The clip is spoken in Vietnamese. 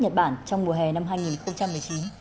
nhật bản trong mùa hè năm hai nghìn một mươi chín